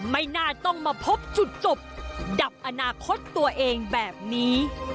ไม่น่าต้องมาพบจุดจบดับอนาคตตัวเองแบบนี้